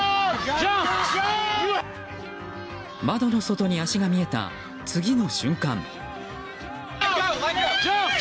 窓の外に足が見えた次の瞬間。